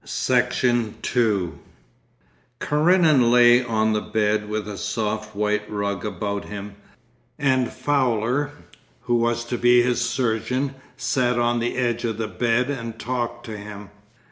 Section 2 Karenin lay on the bed with a soft white rug about him, and Fowler, who was to be his surgeon sat on the edge of the bed and talked to him.